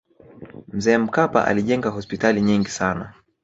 mzee mkapa alijenga hospitali nyingi sana